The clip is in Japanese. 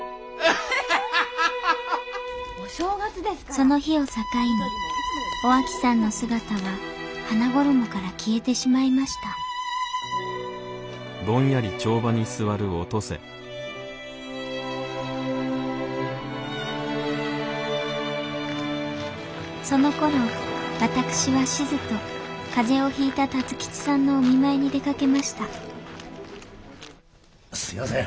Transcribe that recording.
その日を境にお秋さんの姿は花ごろもから消えてしまいましたそのころ私はしづと風邪をひいた辰吉さんのお見舞いに出かけましたすみません